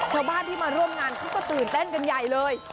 ชาวบ้านที่มาร่วมงานเขาก็ตื่นเต้นกันใหญ่เลย